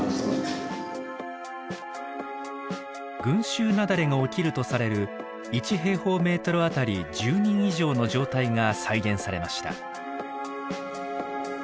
群衆雪崩が起きるとされる１あたり１０人以上の状態が再現されました。